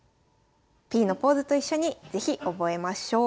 Ｐのポーズと一緒に是非覚えましょう。